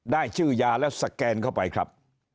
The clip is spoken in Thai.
ได้ชื่อยาแล้วสแกนเข้าไปครับ